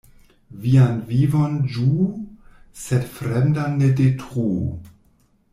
Vian vivon ĝuu, sed fremdan ne detruu.